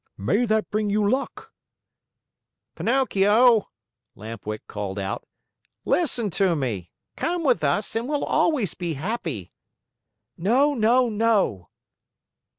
"May that bring you luck!" "Pinocchio!" Lamp Wick called out. "Listen to me. Come with us and we'll always be happy." "No, no, no!"